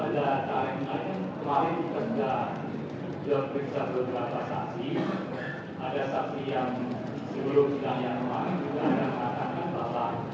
jadi memang mereka paling kooperatif pak